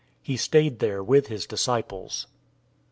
He stayed there with his disciples.